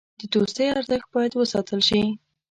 د دوستۍ ارزښت باید وساتل شي.